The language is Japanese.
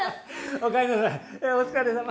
お疲れさま。